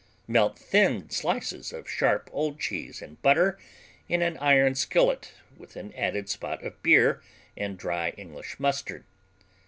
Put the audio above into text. Melt thin slices of sharp old cheese in butter in an iron skillet, with an added spot of beer and dry English mustard.